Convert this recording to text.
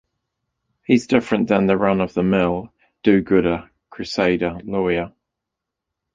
He's different than the run-of-the-mill do-gooder crusader lawyer.